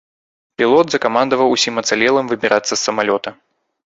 Пілот закамандаваў усім ацалелым выбірацца з самалёта.